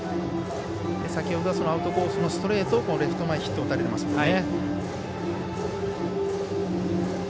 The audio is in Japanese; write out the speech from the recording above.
先ほどはアウトコースのストレートをレフト前にヒットを打たれてますもんね。